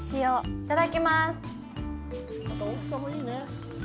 いただきます！